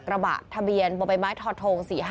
กระบะทะเบียนบริไม้ทอดทง๔๕๖